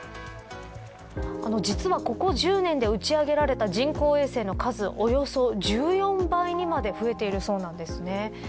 実は、ここ１０年で打ち上げられた人工衛星の数はおよそ１４倍にまで増えているそうです。